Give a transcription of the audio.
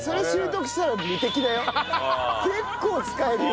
結構使えるよ。